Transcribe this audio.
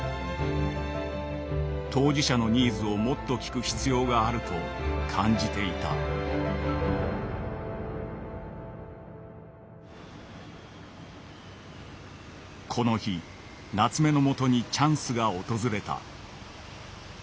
当事者のニーズをもっと聞く必要があると感じていたこの日夏目のもとにチャンスが訪れた。